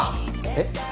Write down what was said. えっ？